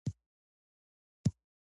مور د ماشوم د ستوني ستونزه ويني.